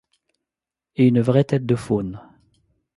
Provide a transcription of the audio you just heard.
Et une vraie tête de faune.